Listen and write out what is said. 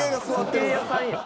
時計屋さんやん。